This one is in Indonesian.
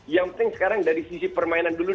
yang penting sekarang dari sisi permainan dulu